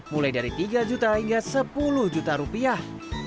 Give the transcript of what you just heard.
mulai dari tiga juta hingga sepuluh juta rupiah